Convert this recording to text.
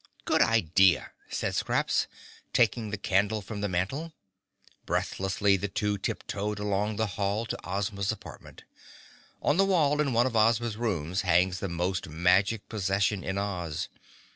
"Good idea," said Scraps, taking the candle from the mantel. Breathlessly the two tip toed along the hall to Ozma's apartment. On the wall in one of Ozma's rooms hangs the most magic possession in Oz.